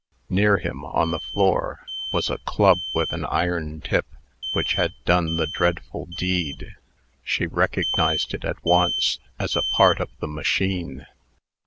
Near him, on the floor, was a club with an iron tip, which had done the dreadful deed. She recognized it at once as a part of the machine.